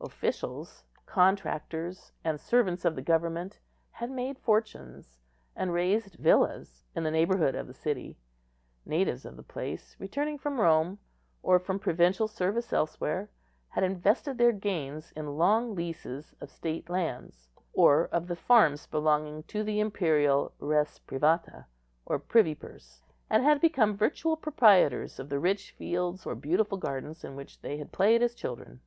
Officials, contractors, and servants of the government had made fortunes, and raised villas in the neighbourhood of the city. Natives of the place, returning from Rome, or from provincial service elsewhere, had invested their gains in long leases of state lands, or of the farms belonging to the imperial res privata or privy purse, and had become virtual proprietors of the rich fields or beautiful gardens in which they had played as children.